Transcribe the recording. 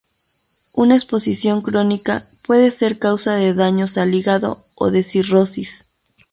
Una exposición crónica puede ser causa de daños al hígado o de cirrosis.